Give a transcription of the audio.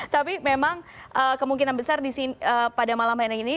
tapi memang kemungkinan besar pada malam hari ini